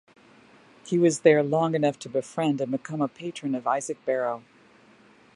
He was there long enough to befriend and become a patron of Isaac Barrow.